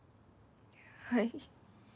はい。